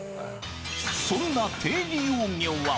そんな低利用魚は。